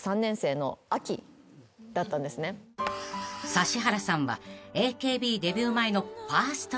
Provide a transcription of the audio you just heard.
［指原さんはＡＫＢデビュー前のファーストラブ］